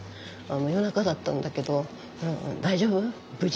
夜中だったんだけど「大丈夫？無事？」